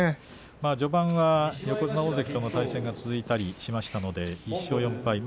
序盤は横綱大関との対戦が続いたりしましたので１勝４敗。